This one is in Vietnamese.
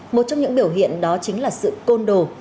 một trong những biểu hiện đó chính là sự côn đồ